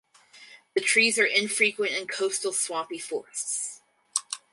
The trees are infrequent in coastal swampy forests.